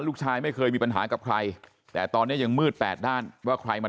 ลูกชายไม่เคยมีปัญหากับใครแต่ตอนนี้ยังมืดแปดด้านว่าใครมา